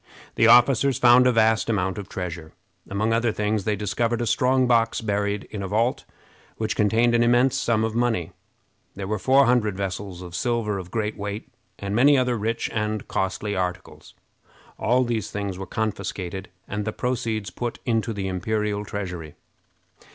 The officers found a vast amount of treasure. Among other things, they discovered a strong box buried in a vault, which contained an immense sum of money. There were four hundred vessels of silver of great weight, and many other rich and costly articles. All these things were confiscated, and the proceeds put into the imperial treasury.